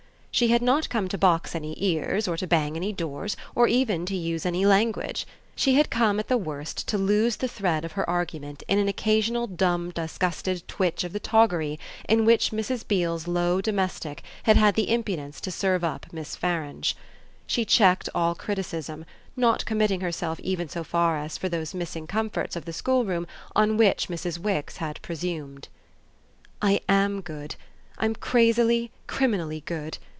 She had not come to box any ears or to bang any doors or even to use any language: she had come at the worst to lose the thread of her argument in an occasional dumb disgusted twitch of the toggery in which Mrs. Beale's low domestic had had the impudence to serve up Miss Farange. She checked all criticism, not committing herself even so far as for those missing comforts of the schoolroom on which Mrs. Wix had presumed. "I AM good I'm crazily, I'm criminally good.